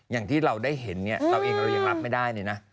อย่างที่เราได้เห็นเนี่ยเราเองเรายังรับไม่ได้เลยนะ